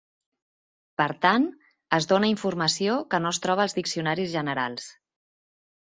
Per tant, es dóna informació que no es troba als diccionaris generals.